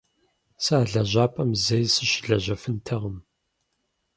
Сэ а лэжьапӏэм зэи сыщылэжьэфынтэкъым.